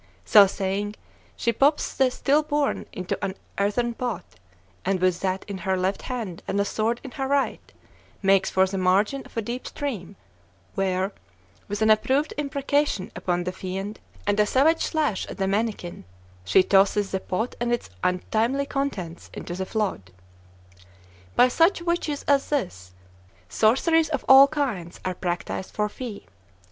So saying, she pops the still born into an earthen pot, and with that in her left hand and a sword in her right, makes for the margin of a deep stream, where, with an approved imprecation upon the fiend and a savage slash at the manikin, she tosses the pot and its untimely contents into the flood. By such witches as this, sorceries of all kinds are practised for fee.